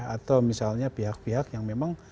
atau misalnya pihak pihak yang memang